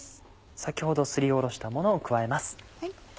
先ほどすりおろしたものを加えます。